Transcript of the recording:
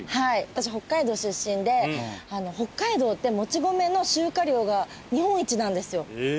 私北海道出身で北海道ってもち米の集荷量が日本一なんですよ。へえ。